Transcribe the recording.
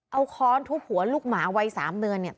เอาค้อนทุบหัวลูกหมาวัย๓เดือนเนี่ย